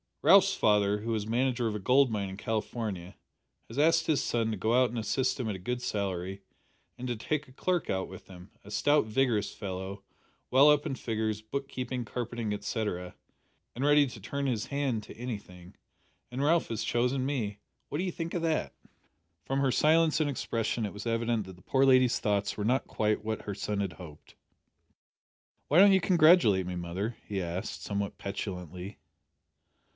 "Ralph's father, who is manager of a gold mine in California, has asked his son to go out and assist him at a good salary, and to take a clerk out with him a stout vigorous fellow, well up in figures, book keeping, carpenting, etcetera, and ready to turn his hand to anything, and Ralph has chosen me! What d'ee think o' that?" From her silence and expression it was evident that the poor lady's thoughts were not quite what her son had hoped. "Why don't you congratulate me, mother?" he asked, somewhat petulantly.